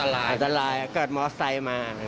อันตรายอันตรายเกิดมอสไซค์มา